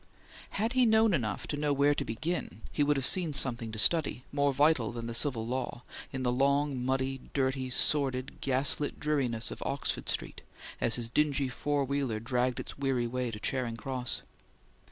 Had he known enough to know where to begin he would have seen something to study, more vital than the Civil Law, in the long, muddy, dirty, sordid, gas lit dreariness of Oxford Street as his dingy four wheeler dragged its weary way to Charing Cross.